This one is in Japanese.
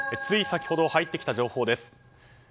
つい先ほど入ってきた情報です。